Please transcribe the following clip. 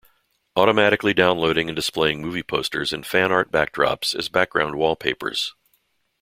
Automatically downloading and displaying movie posters and fan art backdrops as background wallpapers.